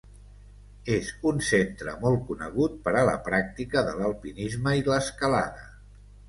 És un centre molt conegut per a la pràctica de l'alpinisme i l'escalada.